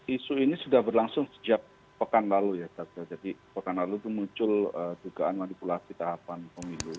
isu ini sudah berlangsung sejak pekan lalu ya jadi pekan lalu itu muncul dugaan manipulasi tahapan pemilu